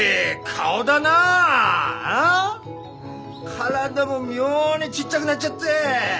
体も妙にちっちゃくなっちゃって。